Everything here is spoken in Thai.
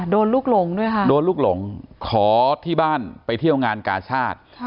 ลูกหลงด้วยค่ะโดนลูกหลงขอที่บ้านไปเที่ยวงานกาชาติ